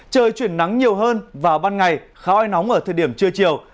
trời chuyển nắng nhiều hơn vào ban ngày khá oi nóng ở thời điểm trưa chiều